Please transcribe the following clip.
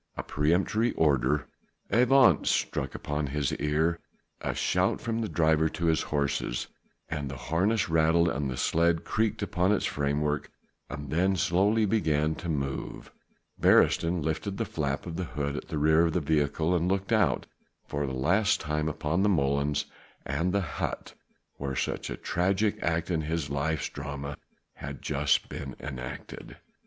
A peremptory order: "En avant," struck upon his ear, a shout from the driver to his horses, the harness rattled, the sledge creaked upon its framework and then slowly began to move: Beresteyn lifted the flap of the hood at the rear of the vehicle and looked out for the last time upon the molens and the hut, where such a tragic act in his life's drama had just been enacted.